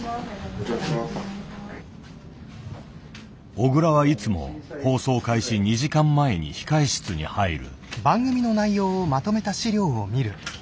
小倉はいつも放送開始２時間前に控え室に入る。